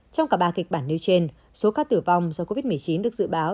trong cả ba kịch bản nêu trên số ca tử vong do covid một mươi chín được dự báo